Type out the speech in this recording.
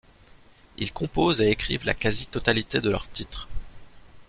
Ils composent et écrivent la quasi-totalité de leurs titres.